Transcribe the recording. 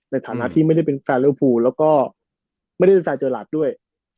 ในฐานะที่ไม่ได้เป็นแฟนเลอร์ฟูแล้วก็ไม่ได้เป็นแฟนเจอหลาดด้วย